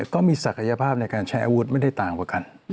ก็มีศักยภาพในการใช้อาวุธไม่ได้ต่างกว่ากัน